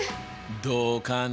どうかな？